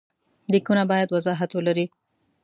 لیکونه باید وضاحت ولري.